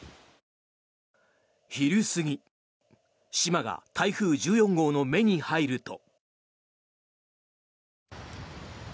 昼過ぎ島が台風１４号の目に入ると。